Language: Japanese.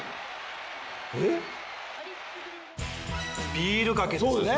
ビールかけですね。